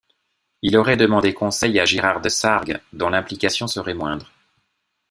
Il aurait demandé conseil à Girard Desargues, dont l'implication serait moindre.